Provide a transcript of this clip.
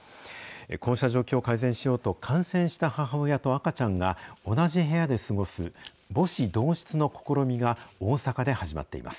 こうした状況を改善しようと感染した母親と赤ちゃんが同じ部屋で過ごす、母子同室の試みが、大阪で始まっています。